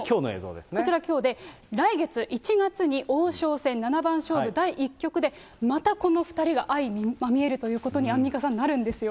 こちらきょうで、来月１月に王将戦七番勝負第１局で、またこの２人が相まみえるということに、アンミカさん、なるんですよ。